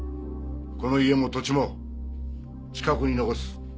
この家も土地もチカ子に残す。